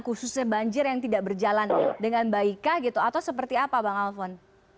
khususnya banjir yang tidak berjalan dengan baikkah gitu atau seperti apa bang alphon